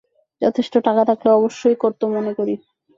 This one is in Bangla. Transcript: যথেষ্ট টাকা থাকলে অবশ্যই করত মনেকরি।